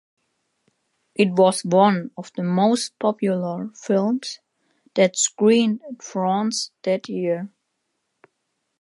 It was one of the most popular films that screened in France that year.